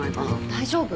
大丈夫。